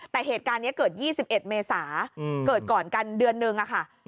แต่เหตุการณ์นี้เกิด๒๑เมษาเกิดก่อนกันเดือนนึงค่ะ